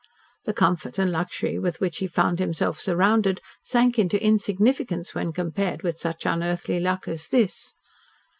The comfort and luxury with which he found himself surrounded sank into insignificance when compared with such unearthly luck as this.